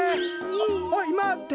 おいまて！